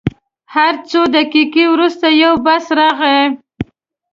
هر څو دقیقې وروسته یو بس راغی.